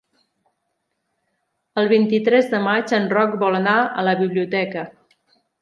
El vint-i-tres de maig en Roc vol anar a la biblioteca.